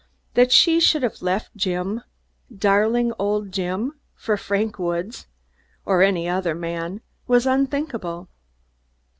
That she should have left Jim, darling old Jim, for Frank Woods, or any other man, was unthinkable.